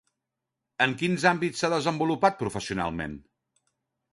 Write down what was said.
En quins àmbits s'ha desenvolupat professionalment?